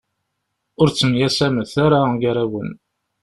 Ur ttemyasamet ara gar-awen.